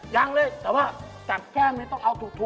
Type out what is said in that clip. ยังเลยแต่ว่าตรงกลับแก้มนี้ต้องเอาถูกครับ